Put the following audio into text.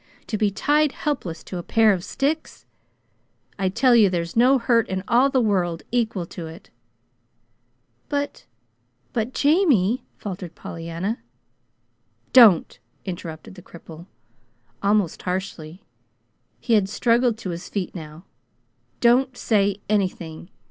To be tied, helpless, to a pair of sticks? I tell you there's no hurt in all the world to equal it!" "But but Jamie," faltered Pollyanna. "Don't!" interrupted the cripple, almost harshly. He had struggled to his feet now. "Don't say anything.